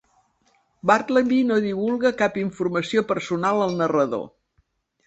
Bartleby no divulga cap informació personal al narrador.